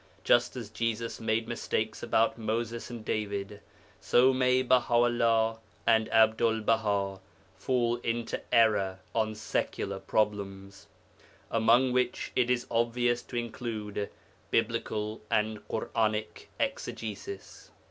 Just as Jesus made mistakes about Moses and David, so may Baha 'ullah and Abdul Baha fall into error on secular problems, among which it is obvious to include Biblical and Ḳuranic exegesis.